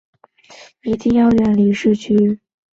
一定要远离市区